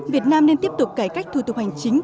việt nam nên tiếp tục cải cách thủ tục hành chính